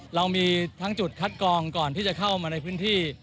เรามีทั้งจุดคัดกองก่อนที่จะเข้ามาในพื้นที่